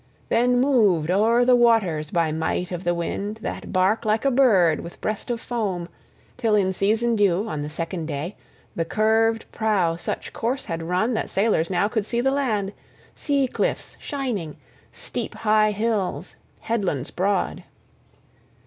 Then moved o'er the waters by might of the wind that bark like a bird with breast of foam, till in season due, on the second day, the curved prow such course had run that sailors now could see the land, sea cliffs shining, steep high hills, headlands broad.